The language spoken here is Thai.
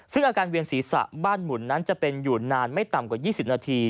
ซึ่งอาการเวียนศีรษะบ้านหมุนนั้นจะเป็นอยู่นานไม่ต่ำกว่า๒๐นาที